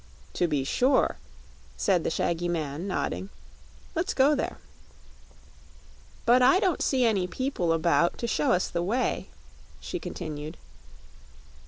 "To be sure," said the shaggy man, nodding. "Let's go there." "But I don't see any people about, to show us the way," she continued.